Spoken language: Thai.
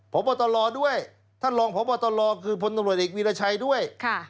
พบตรด้วยท่านรองพบตรคือพลตำรวจเอกวีรชัยด้วย